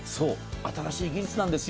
新しい技術なんです。